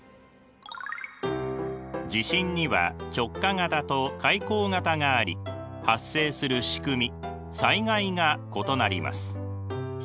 地震には直下型と海溝型があり発生するしくみ災害が異なります。